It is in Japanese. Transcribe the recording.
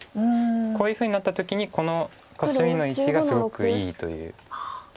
こういうふうになった時にこのコスミの位置がすごくいいということなんですよね。